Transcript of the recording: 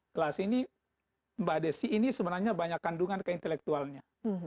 gelas ini mbak desi ini sebenarnya banyak kandungan ke intelektualnya